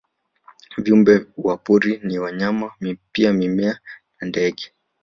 Viumbe wa porini na wanyama pia mimea na ndege